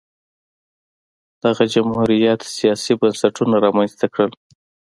دغه جمهوریت سیاسي بنسټونه رامنځته کړل